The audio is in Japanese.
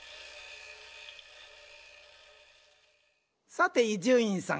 さて伊集院さん。